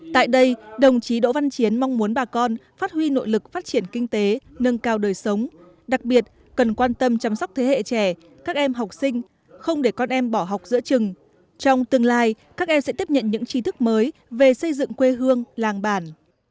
tại đây đồng chí đỗ văn chiến mong muốn bà con phát huy nội lực phát triển kinh tế nâng cao đời sống đặc biệt cần quan tâm chăm sóc thế hệ trẻ các em học sinh không để con em bỏ học giữa trường trong tương lai các em sẽ tiếp nhận những trí thức mới về xây dựng quê hương làng bản